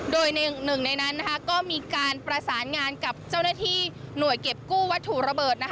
โดยหนึ่งในนั้นก็มีการประสานงานกับเจ้าหน้าที่หน่วยเก็บกู้วัตถุระเบิด